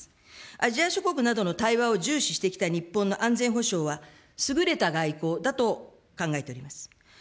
アジア諸国などの対話を重視してきた日本の安全保障は、優れた外交だと考えております。